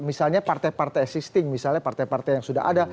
misalnya partai partai existing misalnya partai partai yang sudah ada